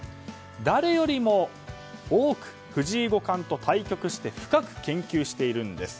誰よりも多く藤井五冠と対局して深く研究しているんです。